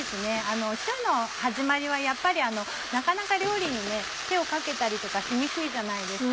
週の始まりはやっぱりなかなか料理に手をかけたりとかしにくいじゃないですか。